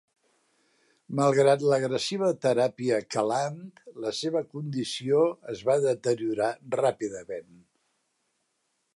Malgrat l'agressiva teràpia quelant, la seva condició es va deteriorar ràpidament.